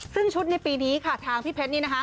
ซึ่งชุดในปีนี้ค่ะทางพี่เพชรนี่นะคะ